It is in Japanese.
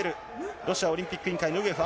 ロシアオリンピック委員会のウグエフ、青。